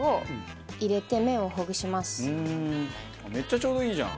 めっちゃちょうどいいじゃん！